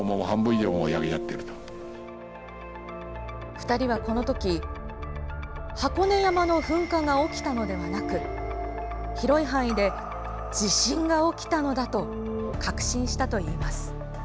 ２人はこの時箱根山の噴火が起きたのではなく広い範囲で地震が起きたのだと確信したといいます。